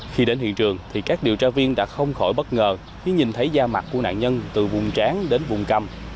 khi đến hiện trường thì các điều tra viên đã không khỏi bất ngờ khi nhìn thấy da mặt của nạn nhân từ vùng tráng đến vùng căm